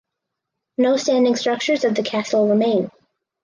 No standing structures of the castle remain.